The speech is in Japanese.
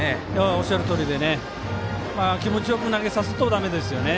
おっしゃるとおりで気持ちよく投げさせるとだめですよね。